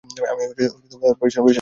আমি তার পেছনে বসে আছি।